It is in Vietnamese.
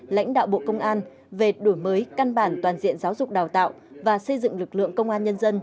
lãnh đạo bộ công an về đổi mới căn bản toàn diện giáo dục đào tạo và xây dựng lực lượng công an nhân dân